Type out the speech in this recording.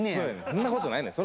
そんなことないねん。